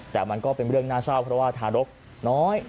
แต่มันก็เป็นเรื่องน่าเศร้าเพราะว่าทารกน้อย